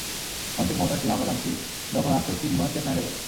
মানুষের ক্ষমতার সীমা আমরা জানছি, যখন আস্ত একটা বিমান স্রেফ নাই হয়ে গেল।